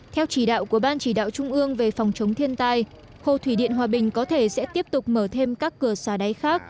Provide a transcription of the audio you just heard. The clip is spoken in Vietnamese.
theo chỉ đạo của ban chỉ đạo trung ương về phòng chống thiên tai hồ thủy điện hòa bình có thể sẽ tiếp tục mở thêm các cửa xà đáy khác